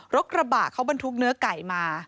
รถกระบะเขาบรรทุกเนื้อไก่มา